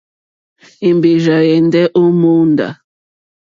Èmbèrzà ɛ̀mɛ́ndɛ́ ó mòóndá.